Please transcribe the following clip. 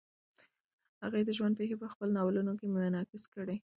هغې د ژوند پېښې په خپلو ناولونو کې منعکس کړې.